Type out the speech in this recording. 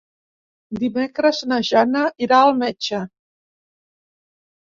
Dimecres na Jana irà al metge.